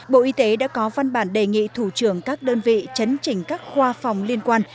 bộ y tế đã có văn bản đề nghị thủ trưởng các đơn vị chấn chỉnh các khoa phòng liên quan